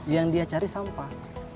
yang dia cari sampah